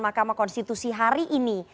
makamah konstitusi hari ini